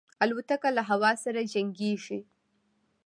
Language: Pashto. الوتکه له هوا سره جنګيږي.